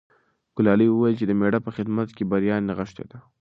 ګلالۍ وویل چې د مېړه په خدمت کې بریا نغښتې ده.